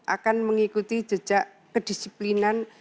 akan mengikuti jejak kedisiplinan